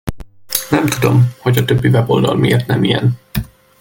Nem tudom, hogy a többi weboldal miért nem ilyen.